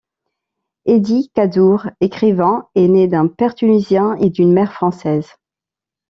Hédi Kaddour, écrivain, est né d'un père tunisien et d'une mère française.